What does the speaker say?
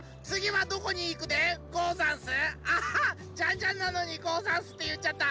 ジャンジャンなのにござんすっていっちゃった！